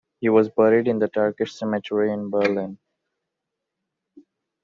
He was buried in the Turkish Cemetery in Berlin.